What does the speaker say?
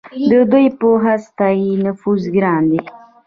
د دوی په هسته کې نفوذ ګران دی.